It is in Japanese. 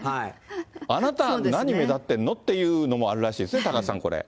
あなた、何、目立ってるのっていうのもあるらしいですね、多賀さん、これ。